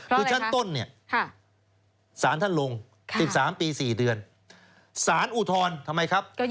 เพราะฉะนั้นต้นเนี่ยศาลท่านลง๑๓ปี๔เดือนศาลอุทธทำไมครับ